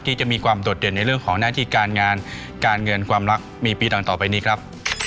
ที่จะมีความโดดเด่นในเรื่องของหน้าที่การงานการเงินความรักมีปีต่างต่อไปนี้ครับ